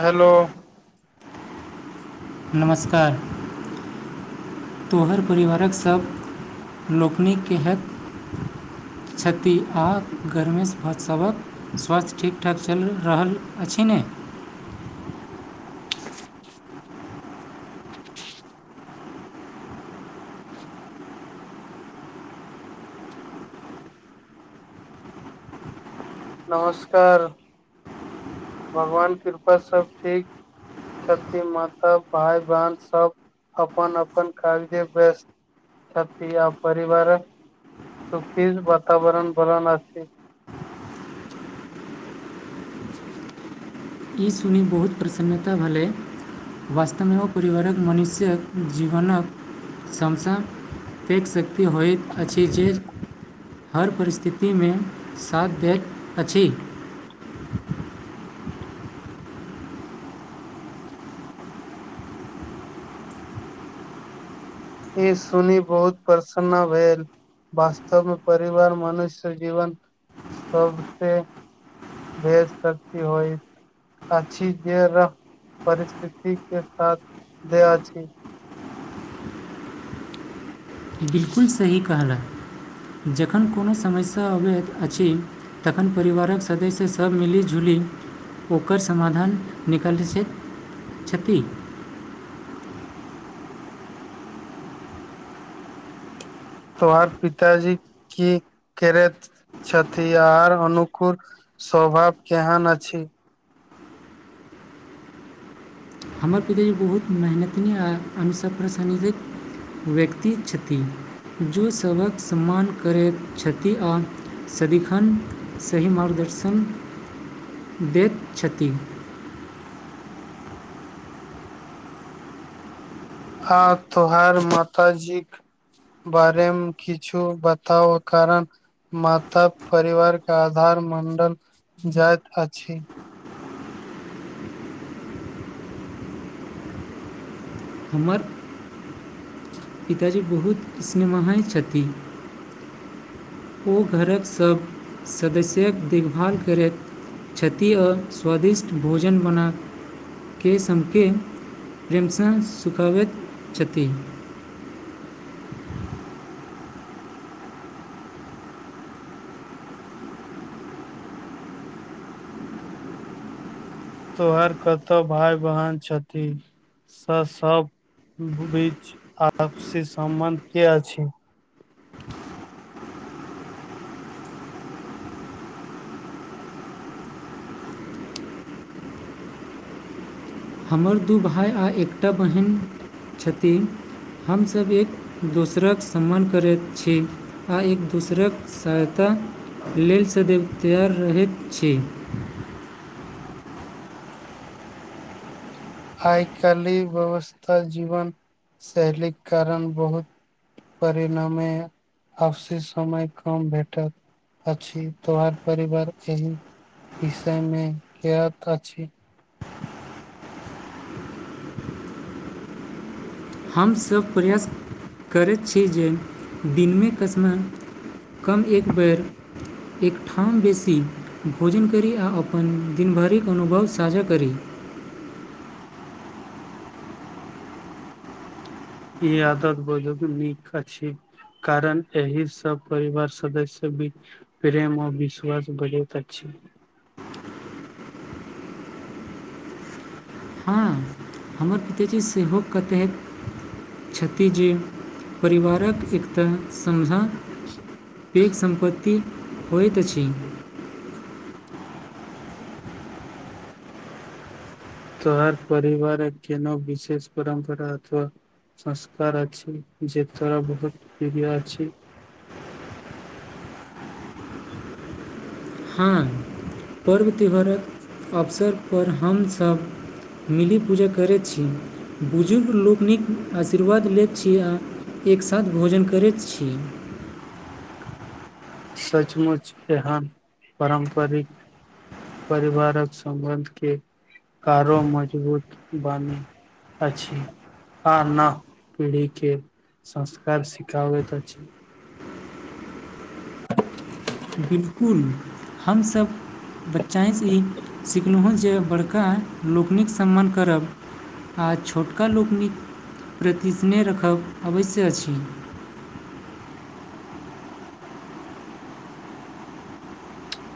Hello नमस्कार तोहर परिवारक सभ लोकनिकेँ हैत क्षति आ गर्मेश भत्सक स्वास्थ्य ठीकठाक चलि रहल अछि नै [inaudible] नमस्कार भगवान कृपा सब ठीक छथि माता भाय बहन सब अपन अपन काज में व्यस्त छथि आ परिवार सुखी वातावरण बलन आ छै [inaudible] ई सुनी बहुत प्रसन्नता भेलै वास्तव मे अो परिवारक मनुष्यक जीवन समसँ फेक शक्ति होइत अछि जे हर परिस्थिति मे साथ दैत अछि ई सुनि बहुत प्रसन्न भेल वास्तव मे परिवार मनुष्य जीवन सब सँ बेसी शक्ति होइत अछि जे वैह परिस्थिति के साथ दै अछि बिलकुल सही कहला जखन कोनो समस्या अबैत अछि तखन परिवारक सदस्य सभ मिलि-जुलि ओकर समाधान निकालि सकैत छथि तोहर पिताजी की करैत छथि आओर हुनकर स्वभाव केहन अछि हमर पिताजी बहुत मेहनति आ अनुशासन पसन्द व्यक्ति छथि जो सभक सम्मान करैत छथि आ सदिखन सही मार्गदर्शन दैत छथि आ तोहार माताजीक बारेमे किछु बताउ आ कारण माता परिवार केँ आधार मानल जाइत अछि हमर पिताजी बहुत सिनेमाहाइ छथि ओ घरक सभ सदस्यक देखभाल करैत छथि आओर स्वादिष्ट भोजन बना के सभकेँ प्रेमसँ सुखाबैत छथि तोहर कतहु भाय-बहिन छथिन से सभ बीच आपसी सम्बन्ध की अछि [inaudible] हमर दू भाय आ एकटा बहिन छथि हमसभ एक दोसरक सम्मान करैत छी आ एक दोसरक सहायता लेल सदैव तैयार रहैत छी आइ-काल्हि इ व्यवस्था जीवन शैलीक कारण बहुत परिण मे अपसी समय कम भेटैत अछि तोहर परिवारक एहि विषय मे ज्ञात अछि हमसभ प्रयास करैत छी जे दिनमे कस्म कम एक बेर एकठाम बैसी भोजन करी आ अपन दिनभरिक अनुभव साझा करी [inaudible] ई आदत बुझियौ की नीक अछि कारण एहिसँ परिवार सदस्यक बीच प्रेम आओर विश्वास बढ़ैत अछि [inaudible] हँ, हमर पिताजी सेहो कतेक छथि जे परिवारक एकता समझा पैघ सम्पत्ति होइत अछि तोहर परिवारक कोनो विशेष परम्परा अथवा संस्कार अछि जे तोरा बहुत प्रिय अछि हँ पर्व त्योहारक अवसरपर हमसभ मिली पूजा करैत छी बुजुर्ग लोकनिक आशीर्वाद लैत छी आ एक साथ भोजन करैत छी सचमुच एहन पारम्परिक परिवारक सम्बन्धकेँ कारो मजबूत बानि अछि आ न पीढ़ीकेँ संस्कार सिखाबैत अछि [inaudible] बिलकुल हमसभ बच्चाँ सँ ई सिखलहुँ जे बड़का लोकनिक सम्मान करब आ छोटका लोकनिक प्रति स्नेह रखब अवश्य अछि [inaudible]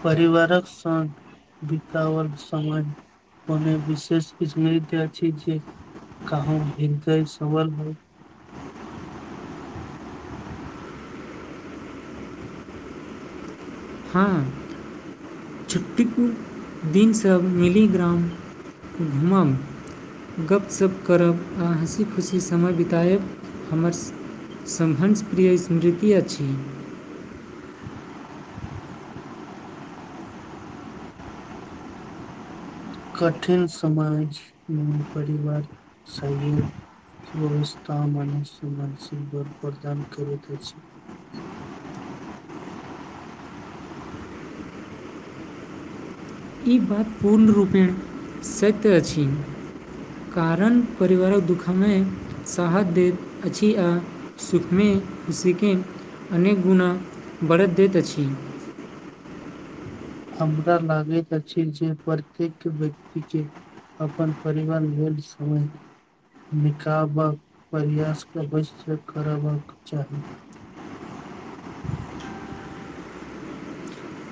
परिवारक संग बिताावल समय ओने विशेष स्मृति अछी जे कहूं हृदय सबवल है हँ छुट्टी पूर्व दिन सब मिली ग्राम घुमब गप्पशप करब आ हँसी खुशी समय बितायब हमर श्भर्ष प्र्रिय स्मृति अछि कठिन समाज मे परिवार सहयोग वथा मान्य मान प्रदान करैत छै [unintelligible] ई बात पूर्णरूपेण सत्य अछि। कारण परिवारक दुखमे साहस दैत अछि आ सुखमें [inaudible] अनेक गुणा बरत दैत अछि। हमरा लागैत अछि जे प्रत्येक व्यक्ति के अपन परिवार भेल समय निकाबक प्रयास अवश्य करबाक चाही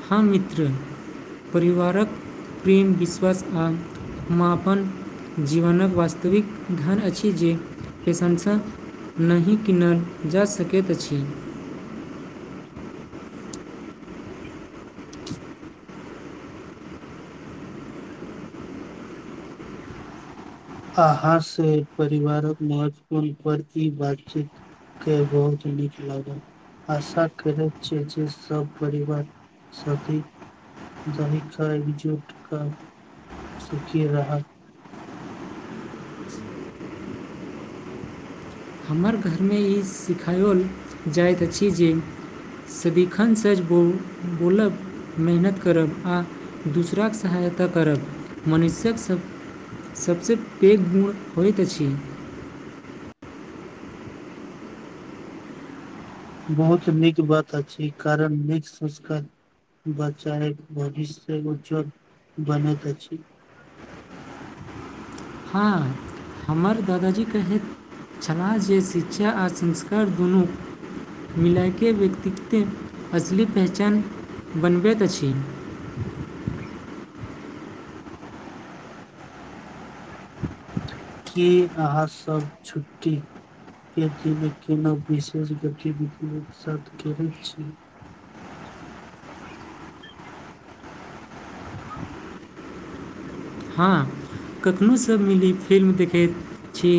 ह मित्र परिवारक प्रेम विश्वास आ आपन जीवनक वास्तविक धन अछि जे पैसा सँ नहि किनल जा सकैत अछि [inaudible] आहा से परिवारक महत्वपूर्ण पर इ बातचीत के बहुत नीक लागल आशा करैत छियै जे सब परिवार साथी दरिका एकजुट का सुखी रहा हमर घरमे ई सिखाओल जाइत अछि जे सदिखन सच बो बोलब मेहनत करब आ दूसरा के सहायता करब मनुष्यक सभ सभसँ पैघ गुण होइत अछि बहुत नीक बात अछि कारण नीक संस्कर बच्चा के भविष्य उज्जल बनैत अछि। [inaudible] हँ हमर दादाजी कहैत छलाह जे शिक्षा आ संस्कार दुनू मिलायके व्यक्तित्व असली पहचान बनबैत अछि। की अहाँसभ छुट्टी के दिन कोनो विशेष गतिविधि एक साथ करई छी? हँ कखनहु सभ मिली फिल्म देखैत छी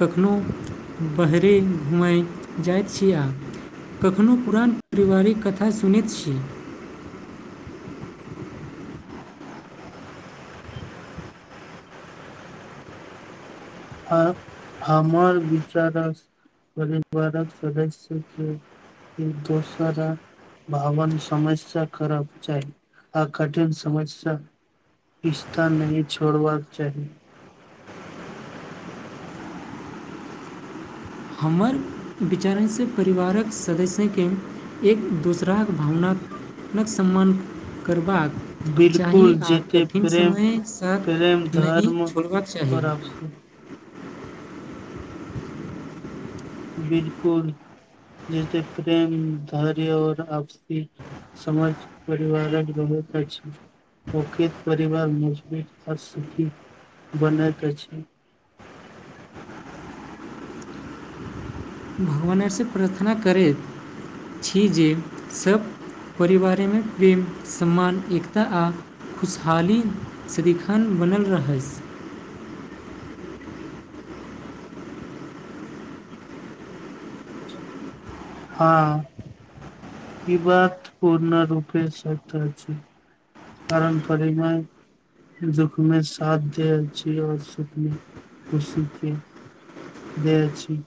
कखनोहु बहरी घूमैत जाइत छी आ कखनहु पुरान पारिवारिक कथा सुनैत छी। आ हमर विचार सँ परिवारक सदस्य के एक दोसरा भावन समझ स करक चाही आ कठिन समझ सँ रिश्ता नहिं छोड़बाक चाही। हमर विचारणसँ परिवारक सदस्यके एक दोसराक भावनााक सम्मान करबाक चाही बिलकुल आ जेते कठिन प्रेम समयसँ प्रेम नहि धर्म छोड़बाक चाही। और आपसी बिलकुल जेसे प्रेम धैर्य और आपसी समझ परिवारक बहुत अच्छा औकित परिवार मजबूत आ सुखी बनैत अछि। भगवानसँ प्रार्थना करैत छी जे सभ परिवारमे प्रेम सम्मान एकता आ खुशहाली सदिखन बनल रह हँ ई बात पुर्ण रूपे सत्य अछि। कारण [unintelligible] दुःख मे साथ दे छी ओर सुखने खुशी के दे अछि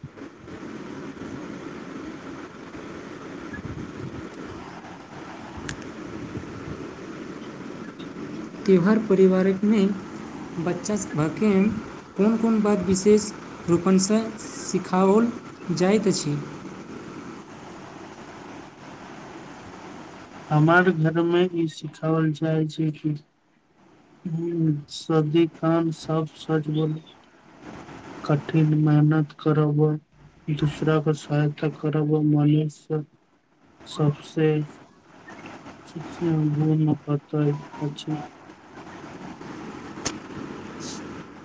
त्यौहार परिवारक नहि बच्चा सभके कोन कोन बात विशेष रूपणसँ सिखाओल जाइत अछि हमर घरमे ई सिखओल जाइ छै कि ह शदीखान सब सच बोल कठिन मेहनत करबबै दूसरा को सहायता करब ओ मनुष्य सबसे [unintelligible] [unintelligible]